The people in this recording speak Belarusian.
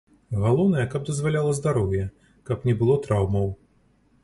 Галоўнае, каб дазваляла здароўе, каб не было траўмаў.